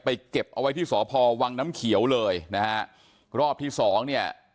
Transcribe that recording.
เก็บเอาไว้ที่สพวังน้ำเขียวเลยนะฮะรอบที่สองเนี่ย